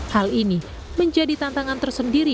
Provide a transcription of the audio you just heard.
hal ini menjadi tantangan tersendiri